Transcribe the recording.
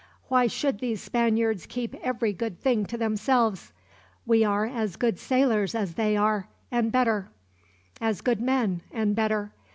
Why should these Spaniards keep every good thing to themselves? We are as good sailors as they are, and better; as good men, and better.